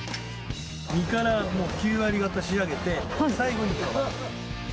身からもう９割がた仕上げて、最後に皮。